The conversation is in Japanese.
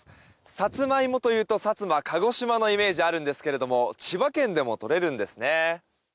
サツマイモといえば薩摩、鹿児島のイメージがあるんですけど千葉県でも採れるんですね。